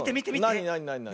なになになになに？